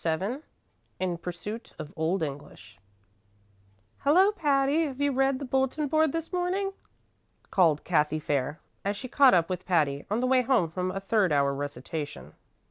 VII In Pursuit of Old English "Hello, Patty! Have you read the bulletin board this morning?" called Cathy Fair, as she caught up with Patty on the way home from a third hour recitation.